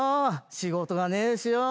仕事がねえしよ！